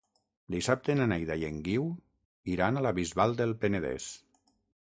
Dissabte na Neida i en Guiu iran a la Bisbal del Penedès.